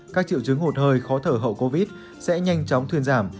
các triệu chứng hụt hơi khó thở hậu covid sẽ nhanh chóng thuyên giảm